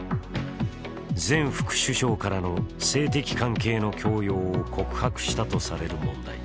前副首相からの性的関係の強要を告白したとされる問題。